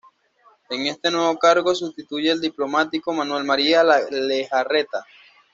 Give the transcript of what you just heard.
En este nuevo cargo sustituye al diplomático Manuel María Lejarreta.